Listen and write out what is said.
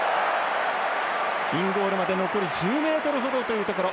インゴールまで残り１０ｍ程というところ。